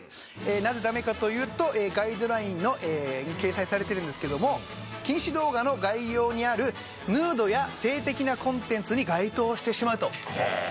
なぜダメかというとガイドラインに掲載されているんですけども禁止動画の概要にあるヌードや性的なコンテンツに該当してしまうと。